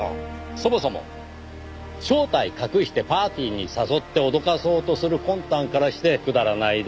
そもそも正体を隠してパーティーに誘って脅かそうとする魂胆からしてくだらないですがねぇ。